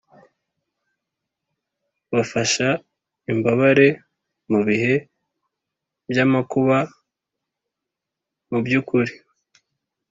bafasha imbabare mu bihe by'amakuba mu by'ukuri